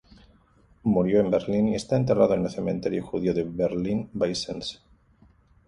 Murió en Berlín y está enterrado en el cementerio judío de Berlín-Weissensee.